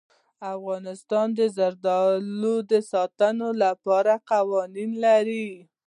افغانستان د زردالو د ساتنې لپاره قوانین لري.